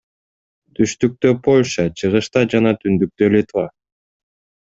Түштүктө — Польша, чыгышта жана түндүктө — Литва.